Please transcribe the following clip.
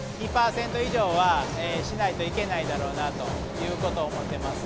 ２％以上はしないといけないだろうなということを思ってます。